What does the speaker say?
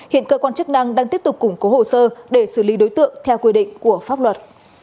hiện cơ quan chức năng đang tiếp tục củng cố hồ sơ để xử lý đối tượng theo quy định của pháp luật